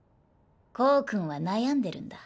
コウ君は悩んでるんだ。